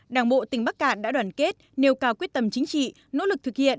đảng bộ tỉnh bắc cạn đã đoàn kết nêu cao quyết tâm chính trị nỗ lực thực hiện